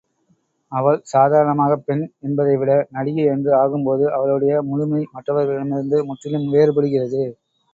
அவள் சாதாரணமாகப் பெண் என்பதை விட நடிகை என்று ஆகும் போது அவளுடைய முழுமை மற்றவர்களிடமிருந்து முற்றிலும் வேறுபடுகிறது.